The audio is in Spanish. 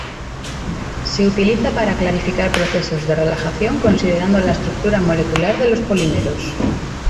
Se utiliza para clarificar procesos de relajación considerando la estructura molecular de los polímeros.